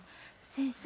先生！